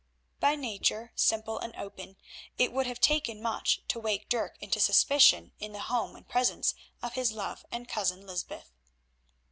By nature simple and open, it would have taken much to wake Dirk into suspicion in the home and presence of his love and cousin, Lysbeth.